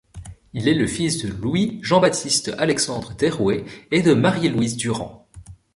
Il est le fils de Louis Jean-Baptiste Alexandre Derouet et de Marie Louise Durand.